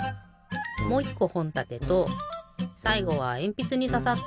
もう１こほんたてとさいごはえんぴつにささった